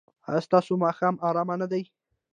ایا ستاسو ماښام ارام نه دی؟